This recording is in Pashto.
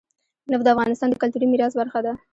نفت د افغانستان د کلتوري میراث برخه ده.